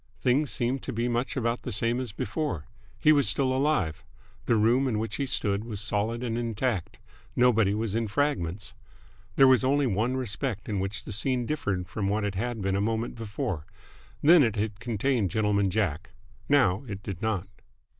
Things seemed to be much about the same as before. He was still alive. The room in which he stood was solid and intact. Nobody was in fragments. There was only one respect in which the scene differed from what it had been a moment before. Then, it had contained Gentleman Jack. Now it did not.